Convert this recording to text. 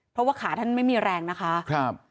เพราะว่าขาท่านไม่มีแรงนะคะ